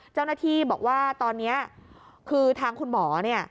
เจ้าหน้าที่บอกว่าตอนนี้คือทางคุณหมอเนี่ย